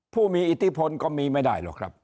ผู้มีอิทธิพลก็มีไม่ได้หรอกครับ